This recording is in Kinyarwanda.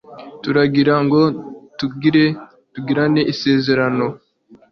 turagira ngo tugirane isezerano